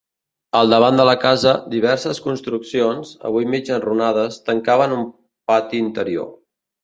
Al davant de la casa, diverses construccions, avui mig enrunades, tancaven un pati interior.